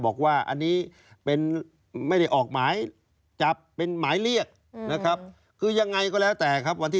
บอกว่าอันนี้เป็นไม่ได้ออกหมายจับเป็นหมายเรียกนะครับ